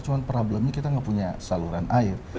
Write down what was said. cuman problemnya kita tidak punya saluran air